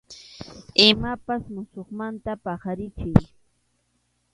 Imapas musuqmanta paqarichiy.